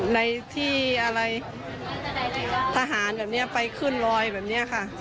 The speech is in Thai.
ในที่อะไรทหารแบบนี้ไปขึ้นลอยแบบนี้ค่ะ